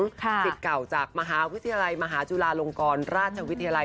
สิทธิ์เก่าจากมหาวิทยาลัยมหาจุฬาลงกรราชวิทยาลัย